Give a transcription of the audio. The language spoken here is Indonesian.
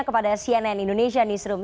kepada cnn indonesia newsroom